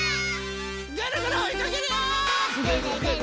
ぐるぐるおいかけるよ！